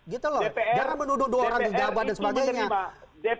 jangan menuduh dua orang gegabah dan sebagainya